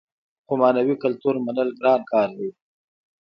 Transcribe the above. خو معنوي کلتور منل ګران کار دی.